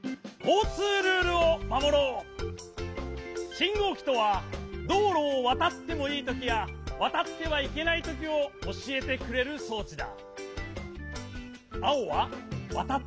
しんごうきとはどうろをわたってもいいときやわたってはいけないときをおしえてくれるそうちだ。